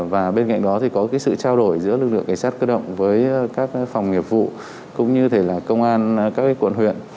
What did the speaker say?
và bên cạnh đó thì có cái sự trao đổi giữa lực lượng cảnh sát cơ động với các phòng nghiệp vụ cũng như thể là công an các quận huyện